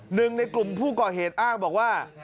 หนึ่งในกลุ่มผู้ก่อเหตุอ้างบอกว่า